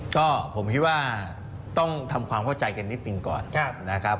ก็ผมคิดว่าต้องทำความเข้าใจกันนิดหนึ่งก่อนนะครับ